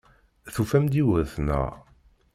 Tufam-d yiwet, naɣ?